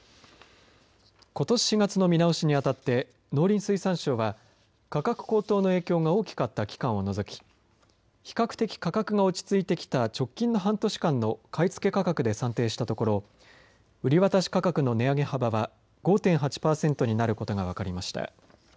ことし４月の見直しにあたって農林水産省は価格高騰の影響が大きかった期間を除き比較的価格が落ち着いてきた直近の半年間の買い付け価格で算定したところ売り渡し価格の値上げ幅は５．８パーセントになることが分かりました。